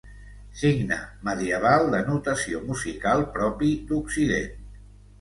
Signe medieval de notació musical propi d'Occident.